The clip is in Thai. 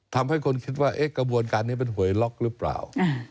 ทำให้คนคิดว่ากระบวนการนี้เป็นหวยล็อกหรือเปล่า